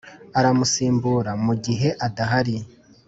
Aramusimbura mu gihe adahari